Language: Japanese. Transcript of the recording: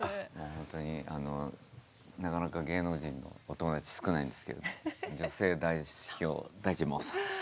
ほんとになかなか芸能人のお友達少ないんですけれども女性代表大地真央さん。